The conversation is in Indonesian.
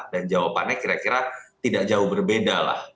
dan jawabannya kira kira tidak jauh berbeda lah